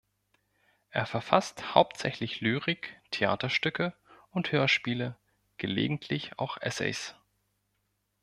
Er verfasst hauptsächlich Lyrik, Theaterstücke und Hörspiele, gelegentlich auch Essays.